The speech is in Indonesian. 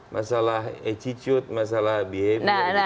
masalah attitude masalah behavior